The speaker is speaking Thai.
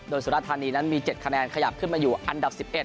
โดยสุรธานีนั้นมี๗คะแนนขยับขึ้นมาอยู่อันดับ๑๑